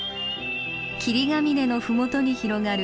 霧ヶ峰のふもとに広がる